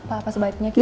apa sebaiknya kita